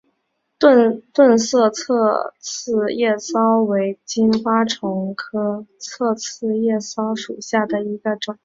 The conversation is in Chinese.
钝色侧刺叶蚤为金花虫科侧刺叶蚤属下的一个种。